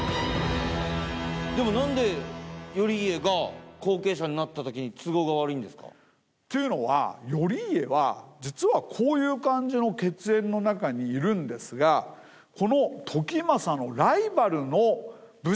でも何で頼家が後継者になったときに都合が悪いんですか？というのは頼家は実はこういう感じの血縁の中にいるんですがこの。